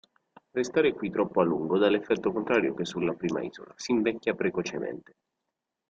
Restare qui troppo a lungo dà l’effetto contrario che sulla prima isola: s’invecchia precocemente.